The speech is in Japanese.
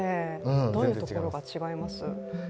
どういうところが違います？